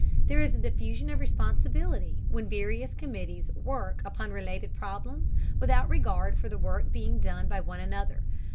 There is a diffusion of responsibility when various committees work upon related problems without regard for the work being done by one another.